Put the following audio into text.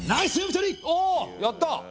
おおやった！